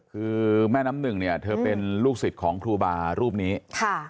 คือแม่น้ำหนึ่งเนี่ยเธอเป็นลูกศิษย์ของครูบารูปนี้ค่ะ